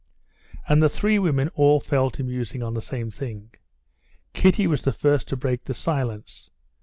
And the three women all fell to musing on the same thing. Kitty was the first to break the silence.